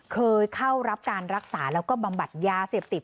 เคยเข้ารับการรักษาแล้วก็บำบัดยาเสพติด